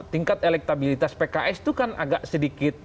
tingkat elektabilitas pks itu kan agak sedikit